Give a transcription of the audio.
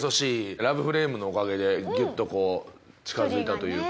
ラブフレームのおかげでギュッとこう近づいたというか。